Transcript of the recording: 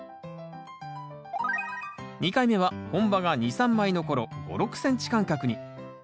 ２回目は本葉が２３枚の頃５６ｃｍ間隔に。